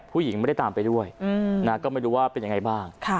ผู้หญิงไม่ได้ตามไปด้วยนะก็ไม่รู้ว่าเป็นยังไงบ้าง